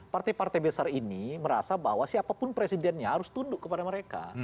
partai partai besar ini merasa bahwa siapapun presidennya harus tunduk kepada mereka